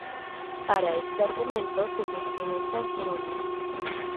Para este argumento se sostiene en San Jerónimo.